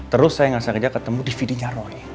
terus saya ngerasa kerja ketemu dvd nya roy